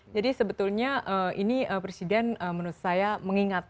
jadi sebetulnya ini presiden menurut saya mengingatkan